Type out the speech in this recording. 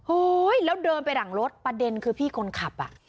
แล้วเดินไปหลังรถประเด็นคือพี่คนขับอ่ะ